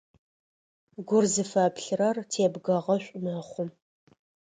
Гур зыфэплърэр тебгэгъошӏу мэхъу.